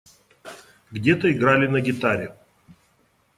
Где-то играли на гитаре.